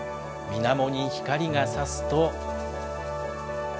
みなもに光がさすと。